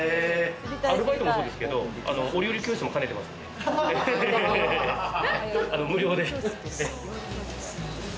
アルバイトもそうですけど、お料理教室も兼ねてますので、無料で。